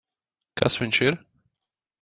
Kas viņš ir?